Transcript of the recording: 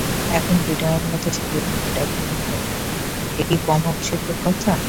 এখন বিনয়ের মতো ছেলে তোমার দল ভেঙে গেল এ কি কম আপসোসের কথা!